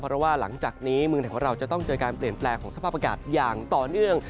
เพราะว่าหลังจากนี้เมืองไทยของเราจะต้องเจอการเปลี่ยนแปลงของสภาพอากาศอย่างต่อเนื่อง